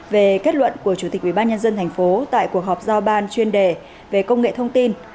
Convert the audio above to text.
về kết luận của chủ tịch ubnd tp tại cuộc họp giao ban chuyên đề về công nghệ thông tin